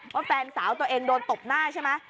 แฟนสาวตัวเองโดนตบหน้าใช่ไหม